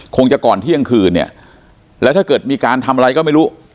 คงจะก่อนเที่ยงคืนเนี่ยแล้วถ้าเกิดมีการทำอะไรก็ไม่รู้